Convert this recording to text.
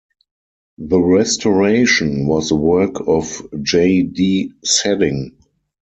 The restoration was the work of J. D. Sedding.